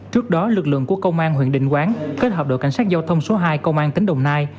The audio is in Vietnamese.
trước đó lực lượng của công an huyện định quán kết hợp đội cảnh sát giao thông số hai công an tỉnh đồng nai